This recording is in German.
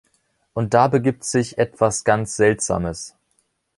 Und da begibt sich "etwas ganz Seltsames".